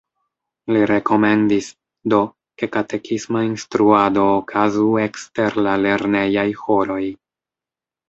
Li rekomendis, do, ke katekisma instruado okazu ekster la lernejaj horoj.